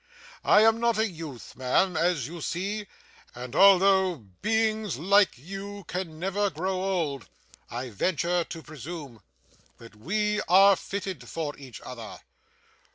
I am not a youth, ma'am, as you see; and although beings like you can never grow old, I venture to presume that we are fitted for each other.